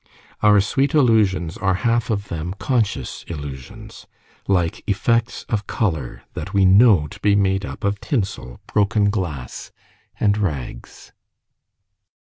Our sweet illusions are half of them conscious illusions, like effects of colour that we know to be made up of tinsel, broken glass, and rags.